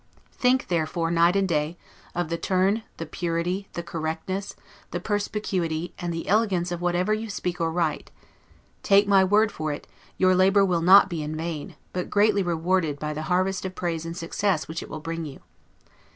Think, therefore, night and day, of the turn, the purity, the correctness, the perspicuity, and the elegance of whatever you speak or write; take my word for it, your labor will not be in vain, but greatly rewarded by the harvest of praise and success which it will bring you.